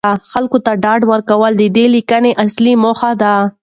خلکو ته ډاډ ورکول د دې لیکنې اصلي موخه ده.